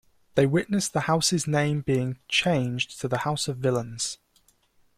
They witness the House's name being changed to the House of Villains.